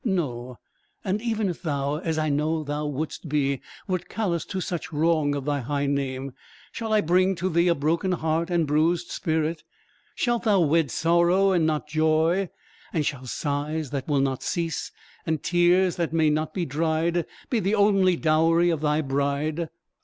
No; and even if thou, as I know thou wouldst be, wert callous to such wrong of thy high name, shall I bring to thee a broken heart and bruised spirit? shalt thou wed sorrow and not joy? and shall sighs that will not cease, and tears that may not be dried, be the only dowry of thy bride?